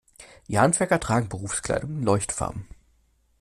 Die Handwerker tragen Berufskleidung in Leuchtfarben.